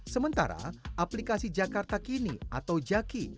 sementara aplikasi jakarta kini atau jaki menjadi nominasi ke tiga